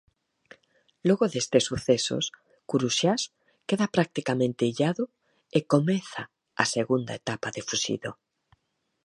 Logo destes sucesos, "Curuxás" queda practicamente illado e comeza a segunda etapa de fuxido.